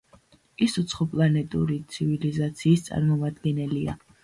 ის უცხოპლანეტური ცივილიზაციის წარმომადგენელია.